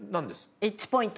１ポイント。